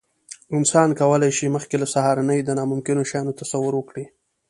انسان کولی شي، مخکې له سهارنۍ د ناممکنو شیانو تصور وکړي.